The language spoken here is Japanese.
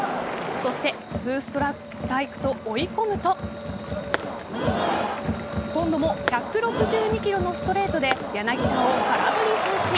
そして２ストライクと追い込むと今度も１６２キロのストレートで柳田を空振り三振。